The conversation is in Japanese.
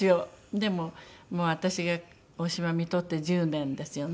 でももう私が大島をみとって１０年ですよね。